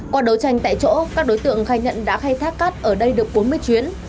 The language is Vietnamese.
qua đấu tranh tại chỗ các đối tượng khai nhận đã khai thác cát ở đây được bốn mươi chuyến